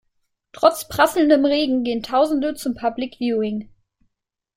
Trotz prasselndem Regen gehen tausende zum Public Viewing.